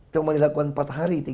cuma dilakukan empat hari